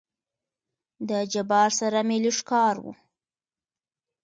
د جبار سره مې لېږ کار وو.